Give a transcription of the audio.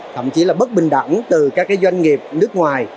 thậm chí là bất bình đẳng từ các doanh nghiệp nước ngoài